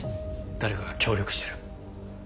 誰かが協力してる。